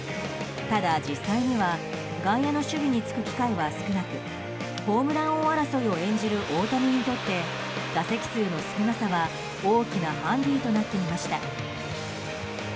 ただ、実際には外野の守備につく機会は少なくホームラン王争いを演じる大谷にとって打席数の少なさは大きなハンディとなっていました。